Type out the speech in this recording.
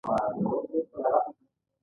علي له احمد سره په بحث کې تت راغلی.